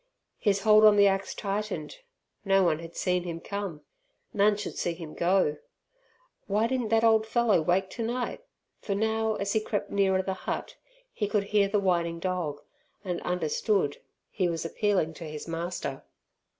His hold on the axe tightened. No one had seen him come; none should see him go! Why didn't that old fellow wake tonight? for now, as he crept nearer the hut, he could hear the whining dog, and understood, he was appealing to his master.